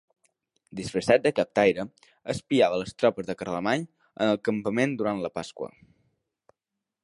Disfressat de captaire, espiava les tropes de Carlemany en el campament durant la Pasqua.